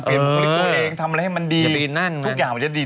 เปลี่ยนมนิดนึงตัวเองทำอะไรให้มันดี